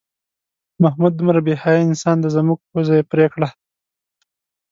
محمود دومره بې حیا انسان دی زموږ پوزه یې پرې کړه.